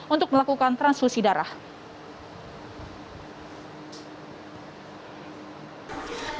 untuk melakukan transfusi darah